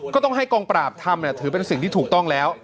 ก็ต้องให้กองปราบทำถือเป็นสิ่งที่ถูกต้องแล้ว